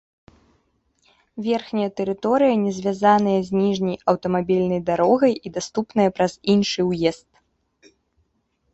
Верхняя тэрыторыя не звязаная з ніжняй аўтамабільнай дарогай, і даступная праз іншы ўезд.